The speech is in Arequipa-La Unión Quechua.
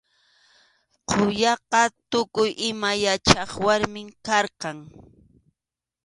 Quyaqa tukuy ima yachaq warmim karqan.